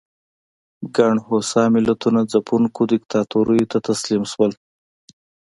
ګڼ هوسا ملتونه ځپونکو دیکتاتوریو ته تسلیم شول.